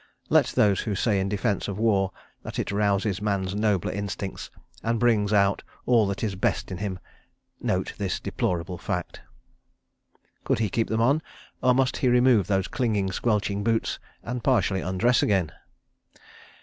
Let those who say in defence of War that it rouses man's nobler instincts and brings out all that is best in him, note this deplorable fact. Could he keep them on, or must he remove those clinging, squelching boots and partially undress again?